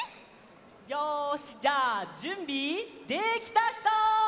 よしじゃあじゅんびできたひと！